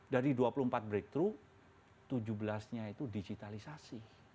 dari dua puluh empat breakthrough tujuh belas nya itu digitalisasi